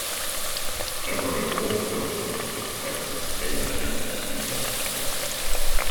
Everett also attended Texas A and M University.